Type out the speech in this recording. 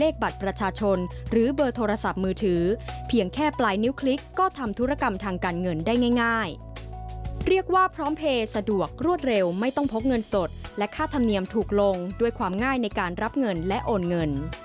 การพบเงินสดและค่าธรรมเนียมถูกลงด้วยความง่ายในการรับเงินและโอนเงิน